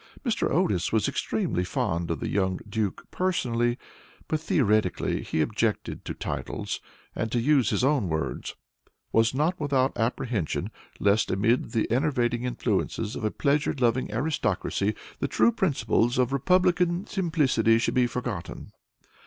Mr. Otis was extremely fond of the young Duke personally, but, theoretically, he objected to titles, and, to use his own words, "was not without apprehension lest, amid the enervating influences of a pleasure loving aristocracy, the true principles of Republican simplicity should be forgotten."